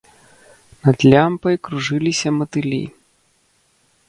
Над лямпай кружыліся матылі.